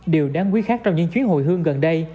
điều đáng quý khác trong những chuyến hồi hương gần đây